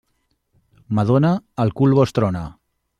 Madona, el cul vos trona.